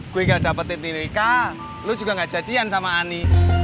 gue gak dapetin trika lo juga gak jadian sama ani